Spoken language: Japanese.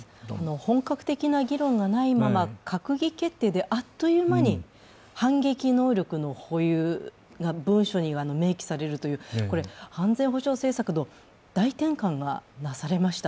本格的な議論がないまま閣議決定であっという間に反撃能力の保有が文書に明記されるという、安全保障政策の大転換がなされました。